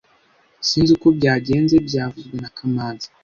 Sinzi uko byagenze byavuzwe na kamanzi